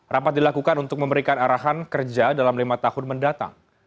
rapat dilakukan untuk memberikan arahan kerja dalam lima tahun mendatang